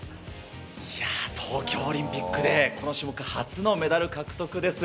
東京オリンピックで、この種目、初のメダル獲得です。